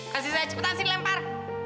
kasih saya cepetan sini lempar